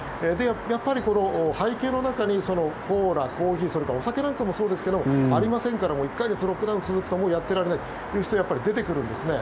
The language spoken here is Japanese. やっぱり配給の中にコーラ、コーヒーそれからお酒なんかもそうですがありませんので１か月ロックダウンが続くともうやっていられないという人が出てくるんですね。